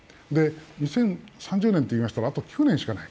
２０３０年といいましたらあと９年しかない。